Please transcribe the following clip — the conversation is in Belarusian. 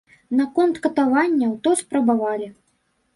Наконт катаванняў, то спрабавалі.